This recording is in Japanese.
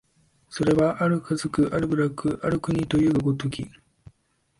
それは或る家族、或る部落、或る国というが如き、